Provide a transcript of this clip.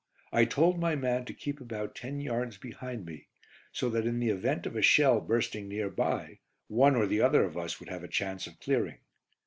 I told my man to keep about ten yards behind me, so that in the event of a shell bursting near by one or the other of us would have a chance of clearing.